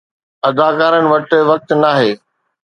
اداڪارن وٽ وقت ناهي